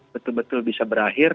betul betul bisa berakhir